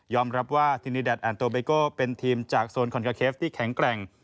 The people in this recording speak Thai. รับว่าทินีแดดแอนโตเบโก้เป็นทีมจากโซนคอนคาเคฟที่แข็งแกร่ง